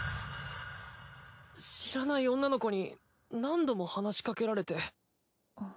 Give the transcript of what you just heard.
知らない女の子に何度も話しかけられて。